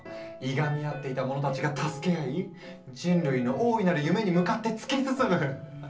いがみ合っていた者たちが助け合い人類の大いなる夢に向かって突き進む！